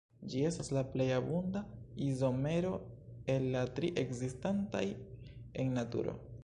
Ĝi estas la plej abunda izomero el la tri ekzistantaj en naturo.